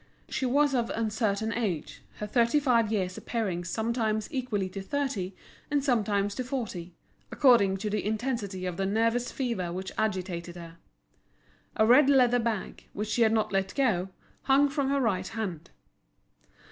She was of uncertain age, her thirty five years appearing sometimes equal to thirty, and sometimes to forty, according to the intensity of the nervous fever which agitated her. A red leather bag, which she had not let go, hung from her right hand.